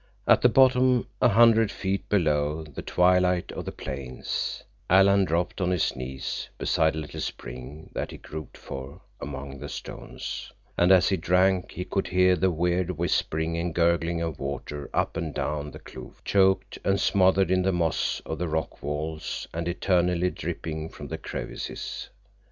At the bottom, a hundred feet below the twilight of the plains, Alan dropped on his knees beside a little spring that he groped for among the stones, and as he drank he could hear the weird whispering and gurgling of water up and down the kloof, choked and smothered in the moss of the rock walls and eternally dripping from the crevices.